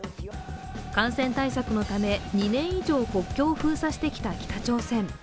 感染対策のため２年以上国境を封鎖してきた北朝鮮。